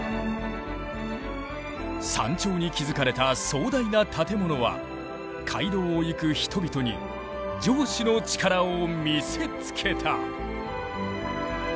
山頂に築かれた壮大な建物は街道を行く人々に城主の力を見せつけた。